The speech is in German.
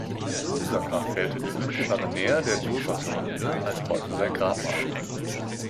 Userkaf wählte die unmittelbare Nähe der Djoser-Pyramide als Ort für sein Grabmal.